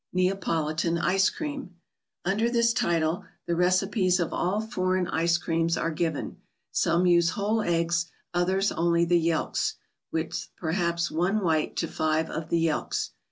$eapotftan 3|ce*Cream, u " der this f'* r the recipes of all foreign ice creams are given. Some use whole eggs, others only the yelks, with perhaps one white to five of the yelks.